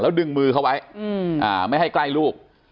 ดึงมือเขาไว้ไม่ให้ใกล้ลูก